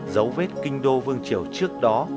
dấu vết kinh đô vương triều trước đó